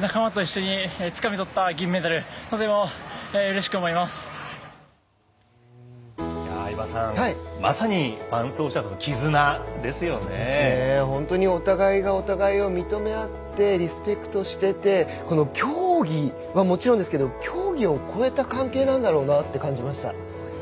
仲間と一緒につかみとった銀メダル相葉さん、まさに本当にお互いがお互いを認め合ってリスペクトしていて競技はもちろんですが競技を超えた関係なんだろうなと感じました。